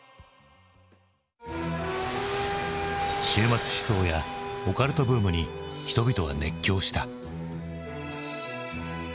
終末思想やオカルトブームに人々は熱狂した。